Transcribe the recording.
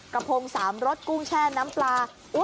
กระพง๓รสกุ้งแช่น้ำปลา